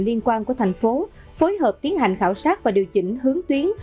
liên quan của thành phố phối hợp tiến hành khảo sát và điều chỉnh hướng tuyến